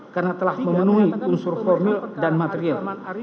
karena telah memenuhi unsur formil dan material